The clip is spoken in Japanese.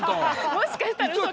もしかしたらうそかも。